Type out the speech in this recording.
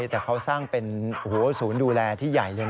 แต่เขาสร้างเป็นศูนย์ดูแลที่ใหญ่เลยนะ